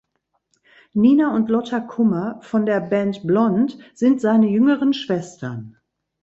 Nina und Lotta Kummer von der Band Blond sind seine jüngeren Schwestern.